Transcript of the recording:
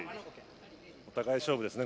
お互い勝負ですよね